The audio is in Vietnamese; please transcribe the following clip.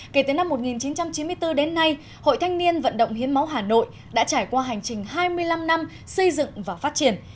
kể từ năm một nghìn chín trăm chín mươi bốn đến nay hội thanh niên vận động hiến máu hà nội đã trải qua hành trình hai mươi năm năm xây dựng và phát triển